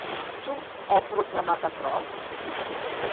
Jo è proclamat aquerò?